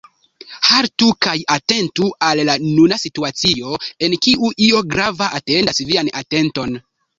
Haltu kaj atentu al la nuna situacio, en kiu io grava atendas vian atenton.